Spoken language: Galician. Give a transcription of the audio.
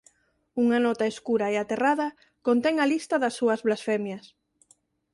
Unha nota escura e aterrada contén a lista das súas blasfemias.